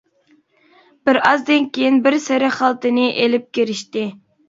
بىر ئازدىن كېيىن بىر سېرىق خالتىنى ئېلىپ كىرىشتى.